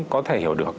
có thể hiểu được